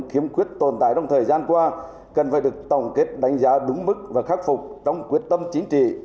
khiếm khuyết tồn tại trong thời gian qua cần phải được tổng kết đánh giá đúng mức và khắc phục trong quyết tâm chính trị